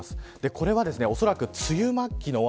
これはおそらく梅雨末期の大雨。